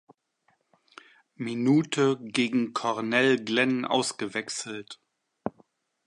Minute gegen Cornell Glen ausgewechselt.